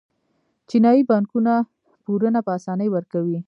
چینايي بانکونه پورونه په اسانۍ ورکوي.